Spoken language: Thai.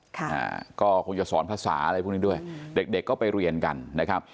ค่ะอ่าก็คงจะสอนภาษาอะไรพวกนี้ด้วยเด็กเด็กก็ไปเรียนกันนะครับ